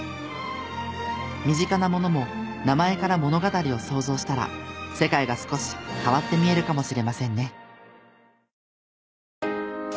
身近なものも名前から物語を想像したら世界が少し変わって見えるかもしれませんね。